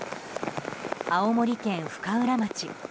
青森県深浦町。